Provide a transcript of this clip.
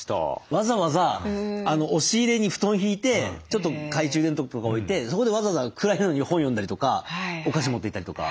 わざわざ押し入れに布団敷いてちょっと懐中電灯とか置いてそこでわざわざ暗いのに本読んだりとかお菓子持っていったりとか。